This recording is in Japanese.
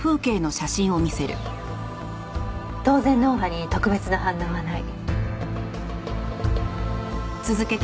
当然脳波に特別な反応はない。